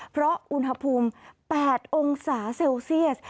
เพราะอุณหภูมิ๘องศาเซลเซียส